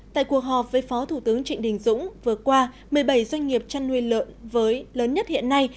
tại cuộc họp với phó thủ tướng trịnh đình dũng vừa qua một mươi bảy doanh nghiệp chăn nuôi lợn với lớn nhất hiện nay